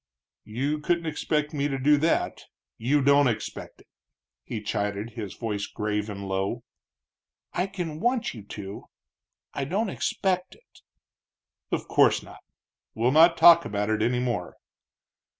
"You couldn't expect me to do that you don't expect it," he chided, his voice grave and low. "I can want you to do it I don't expect it." "Of course not. We'll not talk about it any more."